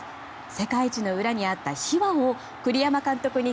世界一の裏にあった秘話を栗山監督に